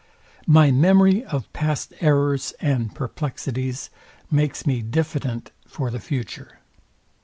My memory of past errors and perplexities, makes me diffident for the future.